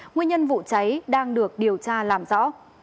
nguyên nhân vụ cháy đang được điều tra làm rõ